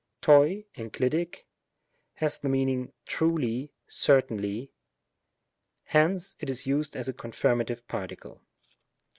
TOL (enclitic), has the meaning, truly ^ certainly ^ hence, it is used as a confirmative particle.